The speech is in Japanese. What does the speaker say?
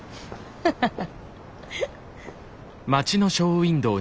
ハハハ！